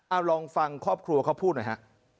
เอาลองฟังครอบครัวเขาพูดหน่อยฮะ